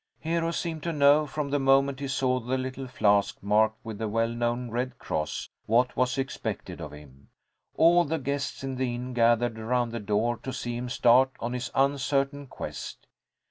Hero seemed to know, from the moment he saw the little flask marked with the well known Red Cross, what was expected of him. All the guests in the inn gathered around the door to see him start on his uncertain quest.